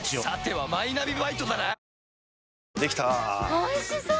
おいしそう！